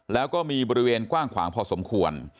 แล้วก็มีบริเวณกว้างขวางพอสมควร